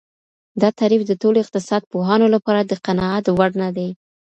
دا تعريف د ټولو اقتصاد پوهانو لپاره د قناعت وړ نه دی.